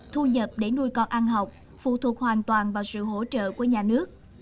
thu nhập để nuôi con ăn học phụ thuộc hoàn toàn vào sự hỗ trợ của nhà nước